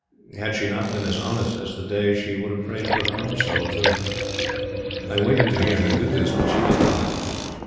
Had she not been as honest as the day, she would have prayed for her own soul too. I waited to hear her do this, but she did not.